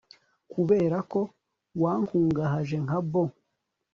kubera ko wankungahaje nka bo